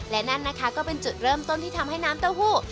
และนั่นนะคะก็เป็นจุดเริ่มต้นที่ทำให้น้ำเต้าหู้